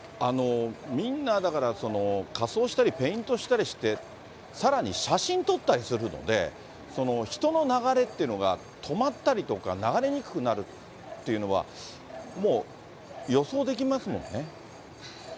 みんな、だから、仮装したり、ペイントしたりして、さらに写真撮ったりするので、人の流れっていうのが止まったりとか、流れにくくなるっていうのは、もう予想できますもんね。